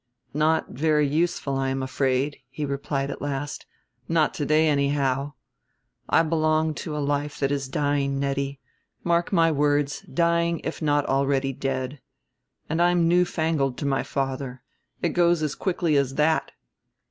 "Not very useful, I am afraid," he replied at last; "not today, anyhow. I belong to a life that is dying, Nettie; mark my words, dying if not already dead. And I'm newfangled to my father. It goes as quickly as that."